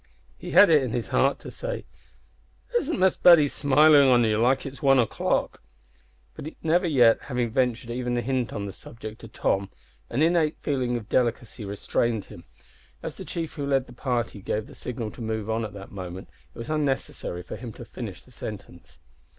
He had it in his heart to say, "Isn't Miss Betty smilin' on ye like one o'clock?" but, never yet having ventured even a hint on that subject to Tom, an innate feeling of delicacy restrained him. As the chief who led the party gave the signal to move on at that moment it was unnecessary for him to finish the sentence.